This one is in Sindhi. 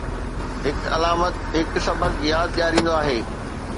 هڪ علامت هڪ سبق ياد ڏياريندو آهي.